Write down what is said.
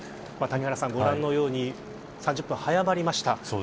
ご覧のように３０分早まりました。